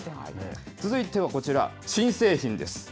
続いてはこちら、新製品です。